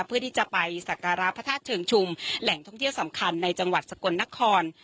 เพื่อที่จะไปสักการะพระธาตุเชิงชุมแหล่งท่องเที่ยวสำคัญในจังหวัดสกลนคร